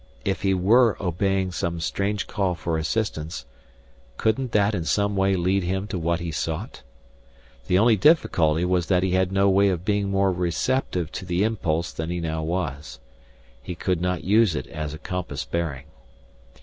If he were obeying some strange call for assistance, couldn't that in some way lead him to what he sought? The only difficulty was that he had no way of being more receptive to the impulse than he now was. He could not use it as a compass bearing.